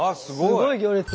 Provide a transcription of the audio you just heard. すごい行列！